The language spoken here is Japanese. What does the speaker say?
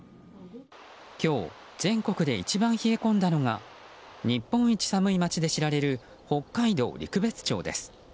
今日全国で一番冷え込んだのが日本一寒い町で知られる北海道陸別町です。